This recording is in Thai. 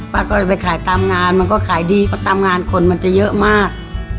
ก็จะไปขายตามงานมันก็ขายดีเพราะตามงานคนมันจะเยอะมาก